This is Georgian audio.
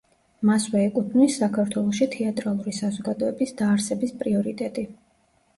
მასვე ეკუთვნის საქართველოში თეატრალური საზოგადოების დაარსების პრიორიტეტი.